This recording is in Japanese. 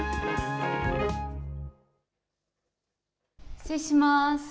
失礼します。